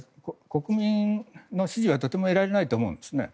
国民の支持はとても得られないと思うんですよね。